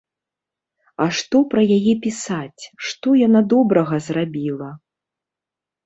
А што пра яе пісаць, што яна добрага зрабіла?